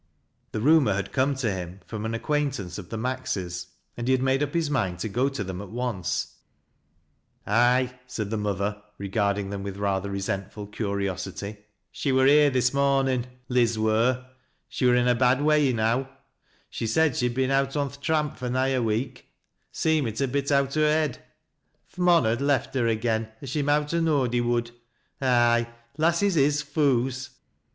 The rumor had come to him from an acquaintance of the Maxeys, and he had made up his mind to go to them ftt once. "Ay," said the mother, regarding them with rather resentful curiosity, " she wur here this momin' — Liz wur, She wur in a bad way enow — said she'd been out on tW LIZ COMES BACK. 263 tramp fur nigh a week — seemit a bit out o' her liead. Th* mon had left her again, as she raowt ha' knowed he would. Ay, lasses is foo's.